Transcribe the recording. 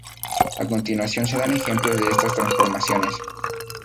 A continuación se dan algunos ejemplos de estas transformaciones.